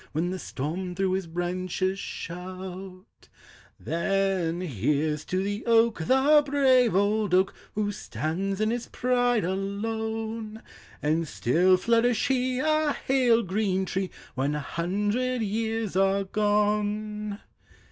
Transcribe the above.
When the storm through his branches shout, v Then here 's to the oak, the brave old oak, Who stands in his pride alone; And still flourish he, a hale green tree, When a hundred years are gone!